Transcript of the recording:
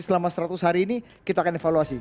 selama seratus hari ini kita akan evaluasi